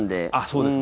そうです。